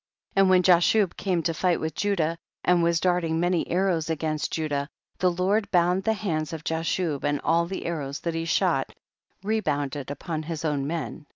30. And wlien Jashub came to fight witii Judah, and was darting many arrows against Judah, the Lord bound the hand of Jashub, and all the arrows that he shot rebounded upon his own men.